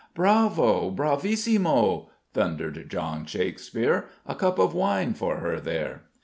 "Bravo! bravissimo!" thundered John Shakespeare. "A cup of wine for her, there!"